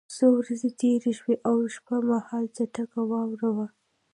څو ورځې تېرې شوې او شپه مهال چټکه واوره وه